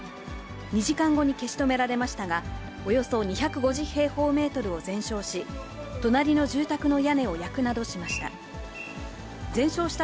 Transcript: ２時間後に消し止められましたが、およそ２５０平方メートルを全焼し、隣の住宅の屋根を焼くなどしました。